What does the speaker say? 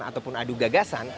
ataupun adu gagasan